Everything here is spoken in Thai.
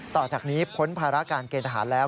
ต่อจากนี้พ้นภาระการเกณฑ์ทหารแล้ว